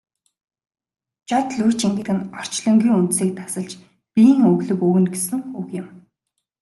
Жод лүйжин гэдэг нь орчлонгийн үндсийг тасалж биеийн өглөг өгнө гэсэн үг юм.